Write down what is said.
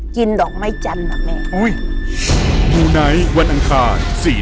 กินดอกไม้จันทร์นะแม่